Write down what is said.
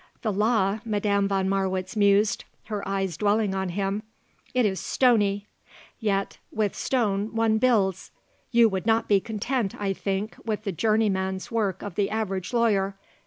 "The law," Madame von Marwitz mused, her eyes dwelling on him. "It is stony; yet with stone one builds. You would not be content, I think, with the journeyman's work of the average lawyer.